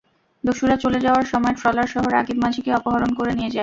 দস্যুরা চলে যাওয়ার সময় ট্রলারসহ রাকিব মাঝিকে অপহরণ করে নিয়ে যায়।